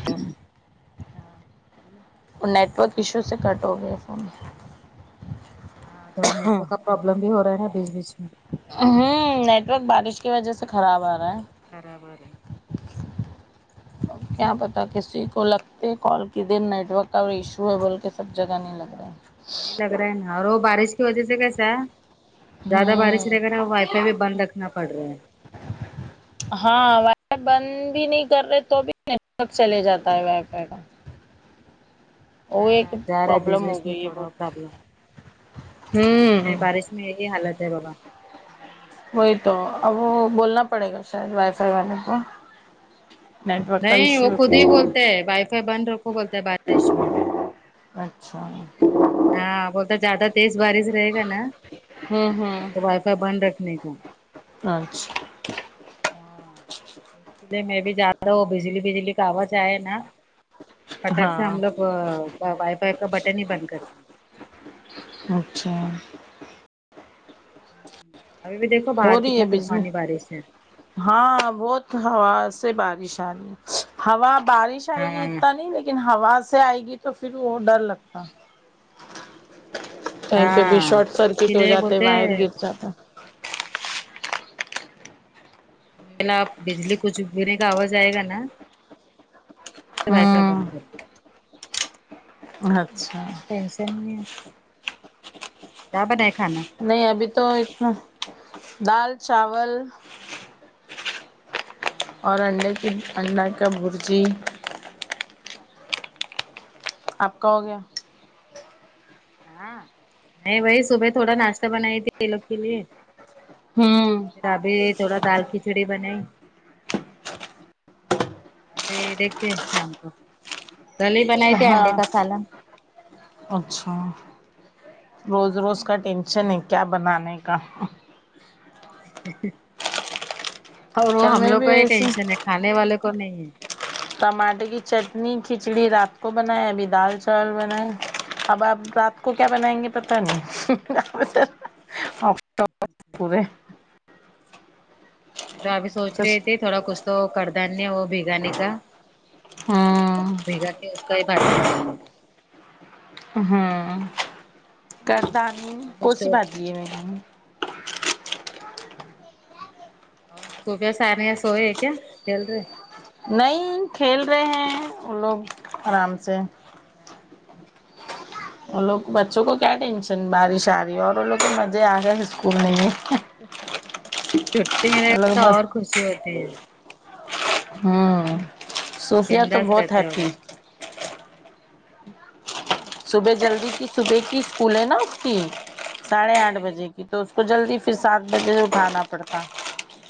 [inaudible] اور network issue سے کٹ ہو گیا فون ہاں تھوڑا نیٹ ورک کا پروابلم بھی ہو رہا ہےا بیچ بیچ میں ہوں نیٹورک بارش کی وجہ سے خراب آ رہا ہے خراب ا رہا ہے کیا پتا نہیں کسی کو لگتا پے کال کے دن نیٹورک کا ایشو ہے بولکے سب جگہ نہیں لگ رہا نہیں لگ رہا ہے نا اور وہ بارش کی وجہ سے کیسا ہے زیادہ بارش ہوں رہ گا نا اسے بھی بند رکھنا پڑ رہا ہے ہاں وائ فائی بند بھی نہیں کر رہے تو بھی نیٹ ورک چلے جاتا ہے وائی فائی کا وہ ایک ہاں جا رہا ہے بیچ پرابلم ہو بیچ میں گئی ہے تھوڑا بہت پرابلم ہوں میںی یہ حالت ہے بابا جی وہی تو اب وہ بولنا پڑے گا شاید وائی فائی والے کو نیٹ ورک کا نہیں وہ ایشو ہے خود ہی کچھ بولتے ہیں وائی فائی بند رکھو بولتا ہے بارش میں اچھا ہاں بولتا زیادہ تیز بارش رہے گا نا ہوں تو وائی فائی بند رکھنے کا اچھا ہاں اسلئے میں بھی زیادہ وہ بجلی بجلی کا آواز آئے نا کٹخ سے ہم ہاں لوگ وائی پائی کا بٹن ہی بند کرتے ہیں اچھا ابھی بھی دیکھو ہو باہر رہی ہے کتنا ابھی سے طوفانی بارش ہے ہاں بہت ہوا سے بارش آ رہی ہوا بارش آئے گی ہاں اتنا نہیں لیکن لیکن ہوا سے آئے گی تو پھر وہ ڈر لگتا کہیں پہ بھی ہاں شارٹ اس کے سرکٹ ہو لیے جاتا ہے بولتے وائر گر جاتا ہے پھر آپ بجلی کچھ گرے گا آواز آئے گا نا تو وائی فائی ہاں بند کرو اچھا ٹینشن نہیں [unintelligible] نہیں ابھی تو ایک دال چاول ہاں اور انڈے کی انڈا کا برجی اچھا آپ کا ہو گیا ہاں نہیں بھاںی صبح تھوڑا ناشتہ بنائی تھی یہ لوگ کے لیے ہمم پھر ابھی یہ تھوڑا دال کھچڑی بنائی ارے دیکھتے ہیں شام کو کل ہی بنائی تھی ہاں انڈے کا سالن اچھا روز ہاں روز کا ٹینشن ہے کیا بنانے کا اور وہ کل ہم میں لوگ بھی کا ہی ویسے ٹینشن ہے کھانے والے کو نہیں ہے ٹماٹر کی چٹنی کھچڑی رات کو بنائے ابھی دال چاول بنائیں اب آپ ساتھ آ کو کیا بنائیں گے اچھا پتہ نہیں تو ابھی سوچ رہے تھے تھوڑا کچھ تو کردانے ہے وہ بگانے کا ہوں بھگا کہ اس کا ہی بات امم کرتا نی کوسی بھاجی ہے سوفیا ثانیہ سوگیںے کیا کھیل رہے ہے نہیں کھیل رہے ہیں وہ لوگ آرام سے وہ لوگ بچوں کو کیا ٹینشن بارش آ رہی ہے اور وہ لگ کے مزے آ رہے اسکول میں ہی چھٹی ملے گا لوگ تو اور مست خوشی ہوتی ہے امم صوفیا تو بنداس بہت رہتے ہیں وہ ہیپی لوگ صبح جلدی کی صبح کی اسکول ہے نا اس کی ساڑھے آٹھ بجے کی تو اس کو جلدی پھر سات بجے سے اٹھانا پڑتا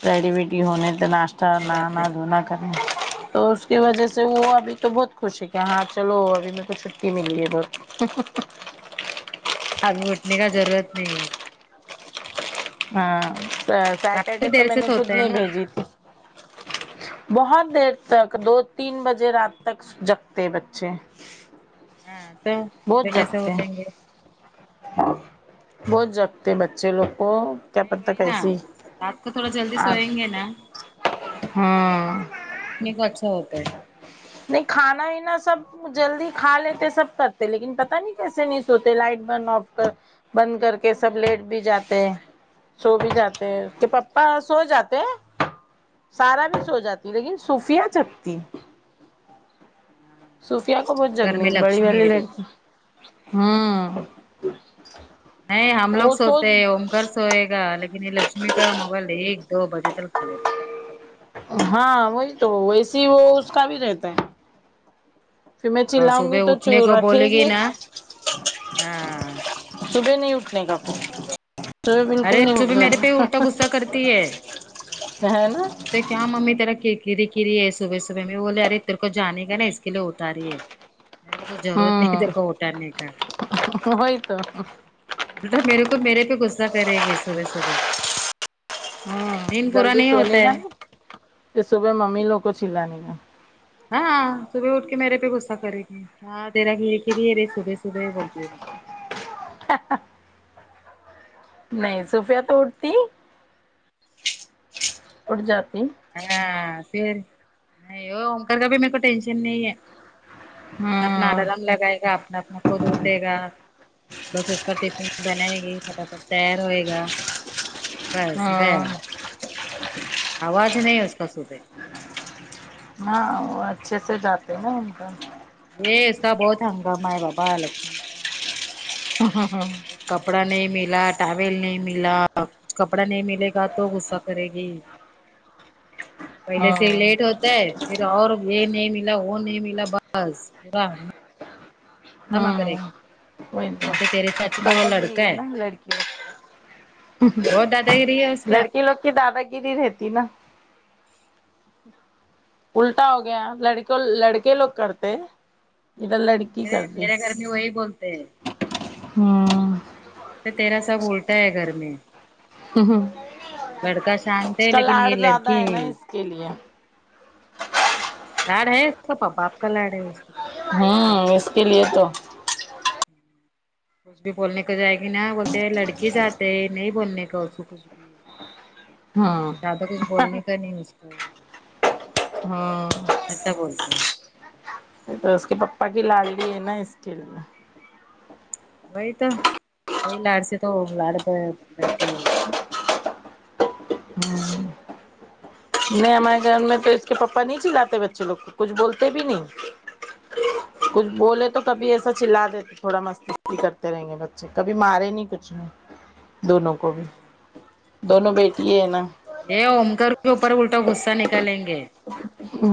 ریڈی ویڈی ہونے ناشہ باپ نہانہ رے دھونہ کرنے تو اس کی وجہ سے وہ ابھی تو بہت خوش ہے کہ ہاں چلو ابھی مے کو چھٹی ملی ہے بہت ابھی اٹھنے کا ضرورت نہیں ہے ہاں سے سیٹرڈے کافی تو دیر میں سے نے خود سوتے ہیں نہیں نا بھیجی تھی بہت دیر تک دو تین بجے رات تک جگتے بچے ہاں تو صبح بہت کیسے جگتے اٹھیں گے بہت جگتے بچے لوگ کو کیا نہیں پتہ وہی نا کیسی رات کو تھوڑا جلدی آ سوئیں گے نا تو ہاں اٹھنے کا اچھا ہوتا ہے نہیں کھانا وینا سب جلدی کھا لیتے سب کرتے لیکن پتا نہیں کیسے نہیں سوتے لائٹ برن آف کر بند کر کے سب لیٹ بھی جاتے ہیں سو بھی جاتے ہیں اس کے ہاں پاپا سو جاتے ہیں سارا بھی سو ہاں جاتی لیکن صوفیا جگتی ہے صوفیا کو بہت گھر جگنی میں بڑی لکشمی والی ہے دیکھو لڑکی ہاں نہیں ہم لوگ سوتے ہیں اومگر سوئے گا لیکن یہ لکشمی کا موبائل ایک دو بجے تک چل رہی ہے ہاں وہی تو ویسے ہی وہ اس کا بھی رہتا ہے پھر میں اور چلاؤں گی صبح تو چا اٹھنے کو رکھے بولے گی نا ہاں صبح نہیں اٹھنے کا سب بالکل ارے نہیں اٹ صبح رہے ہیں میرے پہ الٹا غصہ کرتی ہے نا تو کیا ممی تیرا کری کری ہے صبح صبح میں بولے ارے تیر کو جانے گا نا اس کے لیے اٹھا رہی ہے میرے کو کچھ ضرورت ہاں نہیں تیرے کو اٹھانے کا وہئی تو بیٹا میرے کو میرے پہ غصہ کرے گی صبح صبح ہاں دن پورا جلدی نہیں سونے ہوتا کا ہے پھر صبح ممی لوگ کو چلانے کا ہاں صبح اٹھ کے میرے پہ غصہ کرے گی کیا دیرا گھیریے گھیری ہے رے صبح صبح بولتی ہے نہیں صوفیا تو اٹتی اٹ جاتی ہاں پھر نہیں او اوپر کا بھی میرے کو ٹینشن نہیں ہے اپنا ہوں الرم لگائے گا اپنا اپنا خود اٹھے گا بس اس کا ٹفن بنائے گی فٹافٹ تیار ہوئے گا بس گئے آواز نہیں اس کا کچھ ہاں وہ اچھے سے جاتے ہے ان کو یہ اس کا بہت ہنگاما ہے بابا لکشمی کا ہاں ہاں کپڑا نہیں ملا ٹاول نہیں ملا کچھ اب کپڑا نہیں ملے گا تو غصہ کرے گی پہلے ہوں سے لیٹ ہوتا ہے پھر اور یہ نہیں ملا وہ نہیں ملا بس پورا [unintelligible] ہنگامہ کرے ہوں وہ گی تو بولتے تیرے سے اچھا تو وہ باداگری لڑکا ہے نا لڑکی بہت دادا گیری ہے اس کا لڑکی لوگ کی دادا گیری رہتی نا الٹا ہو گیا لڑکوں لڑکے لوگ کرتے ادھر لڑکی میرے میرے گھر میں وہی بولتے ہیں ہاں اچھا تیرا سب الٹا ہے گھر میں وہ لڑکا شانت اس ہے کا لیکن لاڑ یہ زیادہ لڑکی ہے نا اس کے لیے لاڑ ہے اس کا پپا کا لاڈ ہے اس کا پاپا کا لاڈ ہاں بہت اس ہے، کے لیے تو کچھ بھی بولنے کو جائے گی نا بولتے ہے لڑکی جات ہے نہیں بولنے کا اسکو کچھ بھی ہوں زیادہ کچھ بولنے کا نہیں اس کو ہاں اچھا بولتے ہیں تو اس کے پپا کی لالڈلی ہے نا اسکے لیے وہی تو وہی لاڑ سے تو لاڑ بیٹھی ہے وہ امم نہیں ہمارے گھر میں تو اس کے پپا نہیں چلاتے بچے لوگ کو کچھ بولتے بھی نہیں کچھ بولے تو کبھی ایسا چلا دیتے تھوڑا مستی کرتے رہیں گے بچے کبھی مارے نہیں کچھ میں دونوں کو بھی دونوں بیٹی ہیں نا یہ امکار کے اوپر الٹا غصہ نکالیں گے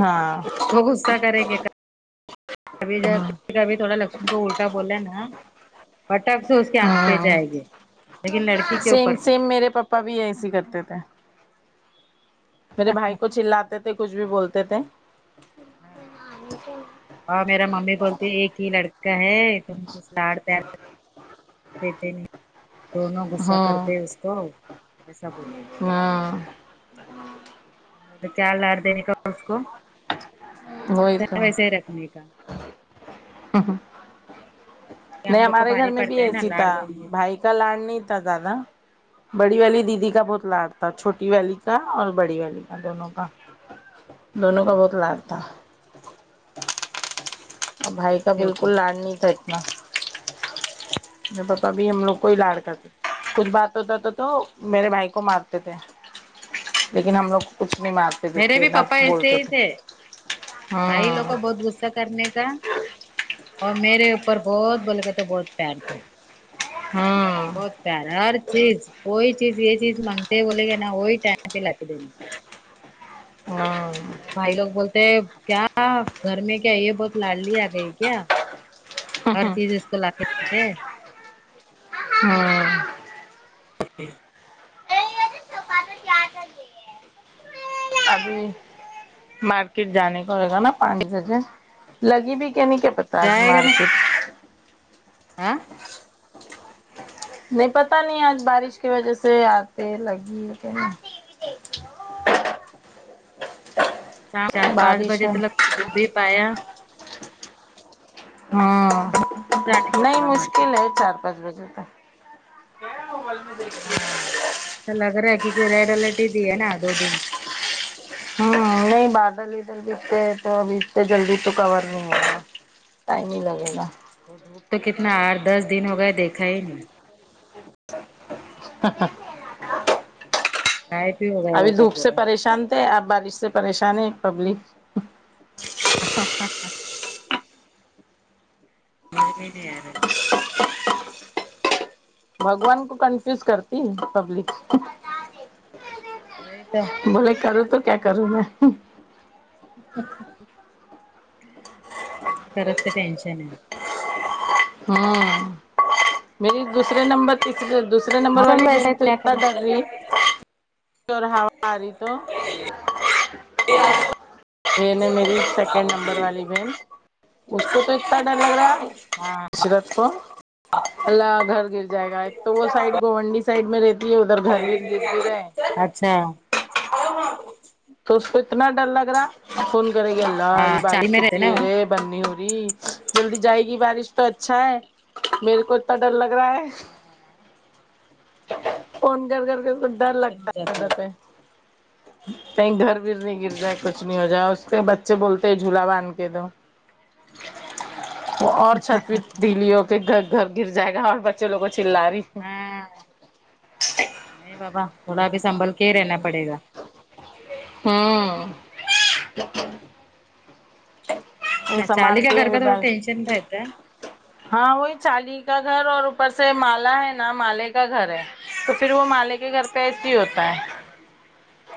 ہاں وہ غصہ کریں گے کبھی ک کبھی تھوڑا لکشمی کو الٹا بولے نا پٹاخ سے اس کے آنگ پہ ہاں جائیں گے لیکن لڑکی کے اوپر بھی کبھی ایسی ہی کرتے تھے میرے بھائی کو چلاتے تھے کچھ بھی بولتے تھے ہاں میرا ممی بولتی ہے ایک ہی لڑکا ہے تم کچھ لاڑ پیار دیتے نہیں دونوں غصہ ہاں کرتے اس کو ایسا بولتا ہاں کیا لاڈ دینے کا اس کو وہی ویسا تو ہی ویسے ہی رکھنے کا ہاں ہاں آگے ہم نہیں لوگ کو ہمارے گھر بھاری میں بھی پڑتا ہے نا ایسی لاڑ تھا دیں گے تو بھائی کا لاڈ نہیں تھا زیادہ بڑی والی دیدی کا بہت لاڈ تھا چھوٹی والی کا اور بڑی والی کا دونوں کا دونوں کا بہت لاڈ تھا ہاں اور اچھا بھائی کا اس کے بالکل اوپر لاڈ نہیں تھا اتنا میں بپپا بھی ہم لوگ کوئی لاڑ کرتے کچھ بات ہوتا تو تو میرے بھائی کو مارتے تھے لیکن ہم لوگ کو کچھ نہیں مارتے میرے پیٹتے بھی نہ پپپا ایسے بولتے ہی تھے بھائی لوگ ہوں کو بہت غصہ کرنے کا اور میرے اوپر بہت بولیگا تو بہت پیار تھا ہاں بہت پیارا ہر چیز کوئی چیز یہ چیز مانگتے بولے گے نا وہی ٹائم پہ لاکے دینا ہاں میرے بھائی لوگ بولتے کیا گھر میں کیا یہ بہت لاڑلی آ گئی کیا ہر چیز اس کو لا کے دیتے ہاں [inaudible] [unintelligible] ابھی مارکیٹ جانے کا ہوے گا نا پانچ بجے لگی بھی کے نہیں کے پتا جائے گا نا آں نہیں پتا نہیں آج بارش کی وجہ سے آتے لگی ہو کہ نئی شام چار پانچ بارش بجے ہے تو لگ دوبھی پایا جانے ہوں کا نہیں تھوڑا مارکیٹ مشکل ہے چار پانچ بجے تک کیا موبائل میں دیکھتی ہاں سالگرہا ہے کی [unintelligible] دی ہے نا دو دن ہمم نہیں بادل ادھر بھیگتے تو ابھی اس سے جلدی تو کور نہیں [inaudible] ٹائم ہی لگے گا وہ دھوپ تو کتنا آٹھ دس دن ہو گئے دیکھا ہی نہیں [unintelligible] ابھی دھوپ سے پورا پریشان تھے آب بارش سے پریشان ہے پبلک [unintelligible] سمجھ میں ہی نہیں آریا ہے بگوان کو کنفیوز کرتی پبلک وہی تو بولے کروں تو کیا کروں میں دونوں طرف سے ٹینشن ہے ہوں میری دوسرے نمبر تیسرے نمبر نمبر والی موسم ویسا بھن ہے تو کیا اتنا کریں درری [unintelligible] آری تو بھن ہے میری سیکنڈ نمبر والی بہن اس کو تو اتنا ڈر لگ رہا ہاں عشرت کو اللہ گھر گر جائے گا ایک تو وہ سائڈ گنڈی سائڈ میں رہتے اچھا تو اس کو اتنا ڈر لگ رہا فون کرے گی اللہ ہاں یہ چالی بارش میں رہتے کتتی نا ہے وہ رے بن نی ہو رہی جلدی جائے گی بارش تو اچھا ہے میرے کو اتنا ڈر لگ رہا ہے فون کر کر کے اسکو ڈر ٹینشن ہو لگتا جاتا ہے در پہ کہیں گھر بھیھر نہیں گر جائے کچھ نہیں ہو جائے اس کے بچے بولتے جھولا باندھ کے دو اور چھت پے دلیوں کے پھر گھر گھر گر جائے گا اور بچے لوگ کو چل رہی ہے نہیں بابا تھوڑا اب سنبھل کے ہی رہنا پڑے گا ہاں چھلی سامان کا کے گھر ابھی کا تھوڑا بس ٹینشن رہتا ہے ہاں وہی چالی کا گھر اور اوپر سے مالا ہے نا مالے کا گھر ہے تو پھر وہ مالے کے گھر پہ ایسے ہی ہوتا ہے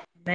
ہے